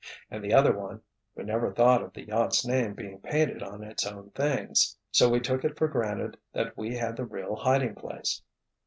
And the other one—we never thought of the yacht's name being painted on its own things. So we took it for granted that we had the real hiding place."